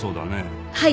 はい。